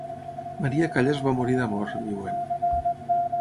Maria Callas va morir d'amor, diuen.